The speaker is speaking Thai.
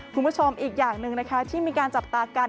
คุณผู้ชมอีกอย่างหนึ่งนะคะที่มีการจับตากัน